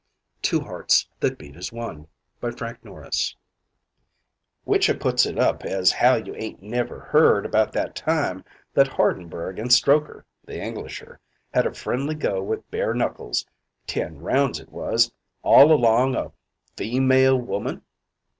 ] TWO HEARTS THAT BEAT AS ONE "Which I puts it up as how you ain't never heard about that time that Hardenberg and Strokher the Englisher had a friendly go with bare knuckles ten rounds it was all along o' a feemale woman?"